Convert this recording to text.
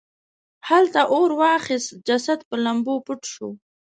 خلته اور واخیست جسد په لمبو پټ شو.